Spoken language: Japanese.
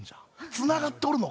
つながっとるのか？